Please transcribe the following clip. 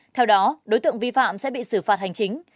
theo đó đối tượng vi phạm sẽ bị xử phạt hành chính